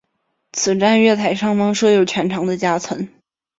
此站月台上方设有全长的夹层。